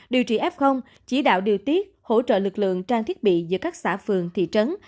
điều trị f chỉ đạo điều tiết hỗ trợ lực lượng trang thiết bị giữa các xã phường thị trấn